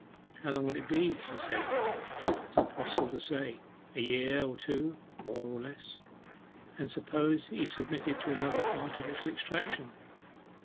'How long would it be?' she said. 'It is impossible to say. A year or two, more or less.' 'And suppose he submitted to another artificial extraction?